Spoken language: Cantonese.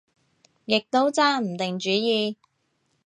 亦都揸唔定主意